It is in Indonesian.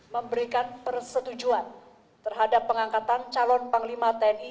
memberikan persetujuan terhadap pengangkatan calon panglima tni